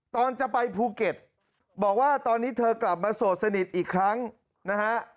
ตอนจะไปภูเก็ตบอกว่าตอนนี้เธอกลับมาโสดสนิทอีกครั้งนะฮะ